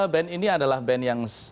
band ini adalah band yang